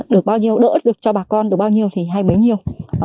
được bao nhiêu đỡ được cho bà con được bao nhiêu thì hay bấy nhiêu